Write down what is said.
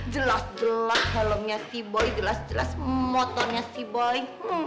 jelas jelas helmnya si boy jelas jelas motornya si boy